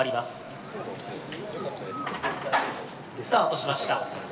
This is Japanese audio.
スタートしました。